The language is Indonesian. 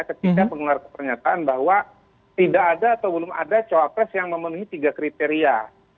ketika mengeluarkan pernyataan bahwa tidak ada atau belum ada cawapres yang memenuhi tiga kriteria